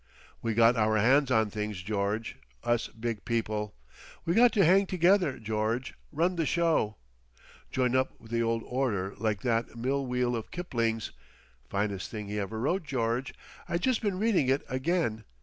"We got our hands on things, George, us big people. We got to hang together, George run the show. Join up with the old order like that mill wheel of Kipling's. (Finest thing he ever wrote, George; I jes' been reading it again.